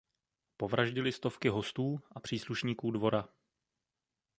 Povraždili stovky hostů a příslušníků dvora.